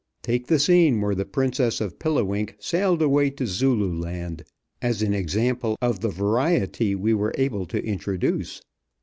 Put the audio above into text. Take the scene where the Princess of Pilliwink sailed away to Zululand as an example of the variety we were able to introduce.